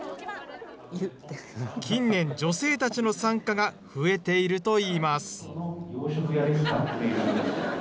近年、女性たちの参加が増えているといいます。